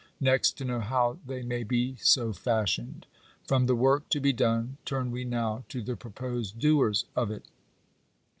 Next, to know how they may be so fashioned. From the work to be done, turn we now to the proposed doers of it.